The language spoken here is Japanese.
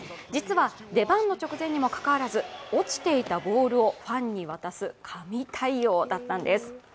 実は出番の直前にもかかわらず落ちていたボールをファンに渡す神対応だったんです。